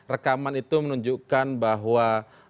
rekaman itu menunjukkan bahwa